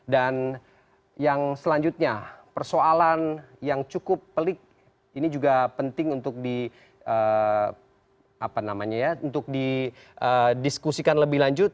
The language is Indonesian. dan yang selanjutnya persoalan yang cukup pelik ini juga penting untuk didiskusikan lebih lanjut